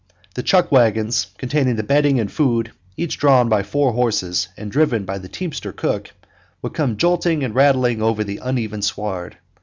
The chuck wagons, containing the bedding and food, each drawn by four horses and driven by the teamster cook, would come jolting and rattling over the uneven sward.